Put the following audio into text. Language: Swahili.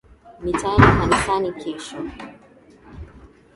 Nitaenda kanisani kesho.